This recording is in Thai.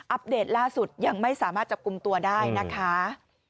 เดตล่าสุดยังไม่สามารถจับกลุ่มตัวได้นะคะ